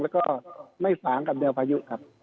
และก็ไม่จ้างกับเนทภายุครับ